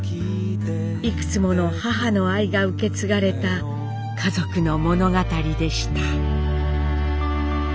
いくつもの母の愛が受け継がれた家族の物語でした。